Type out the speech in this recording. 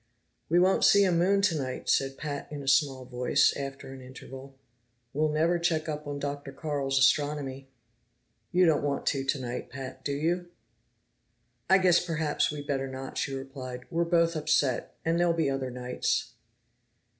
"We won't see a moon tonight," said Pat in a small voice, after an interval. "We'll never check up on Dr. Carl's astronomy." "You don't want to tonight, Pat, do you?" "I guess perhaps we'd better not," she replied. "We're both upset, and there'll be other nights."